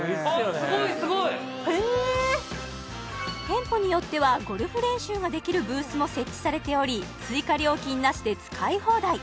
すごいすごいへえ店舗によってはゴルフ練習ができるブースも設置されており追加料金なしで使い放題